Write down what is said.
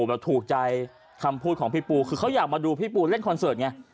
แบบถูกใจคำพูดของพี่ปูคือเขาอยากมาดูพี่ปูเล่นคอนเสิร์ตไง